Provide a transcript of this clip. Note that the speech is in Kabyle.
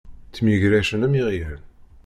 Ttemyegracen am iɣyal.